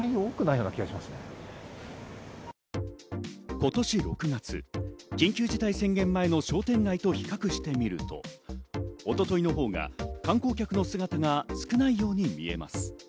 今年６月、緊急事態宣言前の商店街と比較してみると、一昨日のほうが観光客の姿が少ないように見えます。